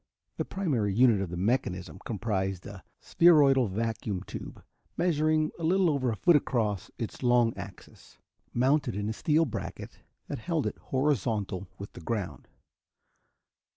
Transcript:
The primary unit of the mechanism comprised a spheroidal vacuum tube measuring a little over a foot across its long axis, mounted in a steel bracket that held it horizontal with the ground.